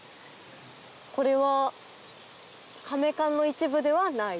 これは甕棺の一部ではない？